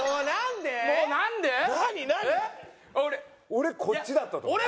俺こっちだったと思う。